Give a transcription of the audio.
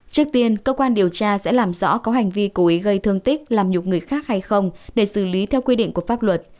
trước tiên cơ quan điều tra sẽ làm rõ có hành vi cố ý gây thương tích làm nhục người khác hay không để xử lý theo quy định của pháp luật